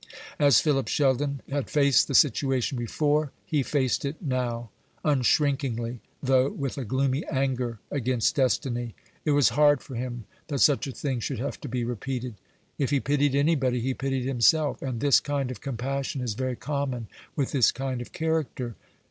As Philip Sheldon had faced the situation before, he faced it now unshrinkingly, though with a gloomy anger against destiny. It was hard for him that such a thing should have to be repeated. If he pitied anybody, he pitied himself; and this kind of compassion is very common with this kind of character.